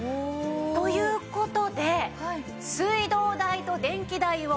という事で水道代と電気代を合わせると